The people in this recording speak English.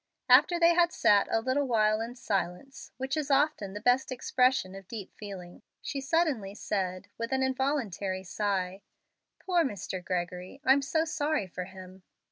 After they had sat a little while in silence, which is often the best expression of deep feeling, she suddenly said, with an involuntary sigh, "Poor Mr. Gregory! I'm so sorry for him!"